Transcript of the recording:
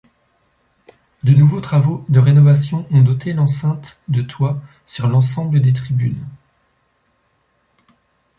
De nouveaux travaux de rénovation ont doté l'enceinte de toits sur l'ensemble des tribunes.